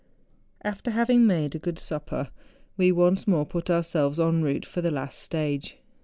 After having made a good supper we once more put ourselves en route for the last stage.